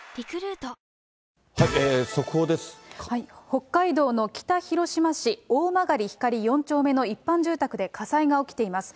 北海道の北広島市おおまがりひかり４丁目の一般住宅で火災が起きています。